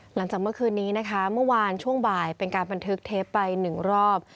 หลังจากเมื่อคืนนี้นะคะเมื่อวานช่วงบ่ายเป็นการบันทึกเทปไปหนึ่งรอบ